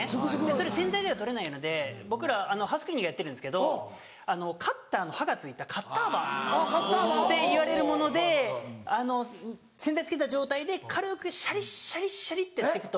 それ洗剤では取れないので僕らハウスクリーニングがやってるんですけどカッターの刃が付いたカッター刃っていわれるものであの洗剤つけた状態で軽くシャリシャリシャリってやっていくと。